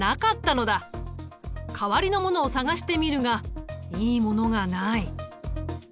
代わりのものを探してみるがいいものがない。